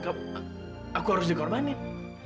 aku harus dikorbanin